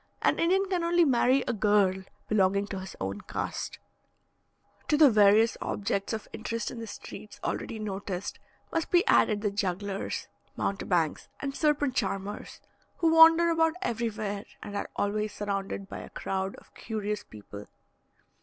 An Indian can only marry a girl belonging to his own caste. To the various objects of interest in the streets already noticed, must be added the jugglers, mountebanks, and serpent charmers, who wander about everywhere, and are always surrounded by a crowd of curious people.